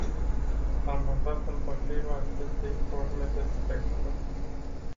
Am votat împotriva acestei forme de speculă.